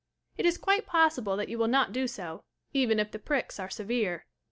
It is quite possible that you will not do so, even if the pricks are severe.